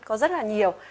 có rất là nhiều